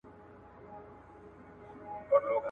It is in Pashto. شاعر د کایناتو د پېژندنې لپاره د عقل او عشق خبره کوي.